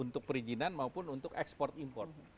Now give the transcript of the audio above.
untuk perizinan maupun untuk ekspor import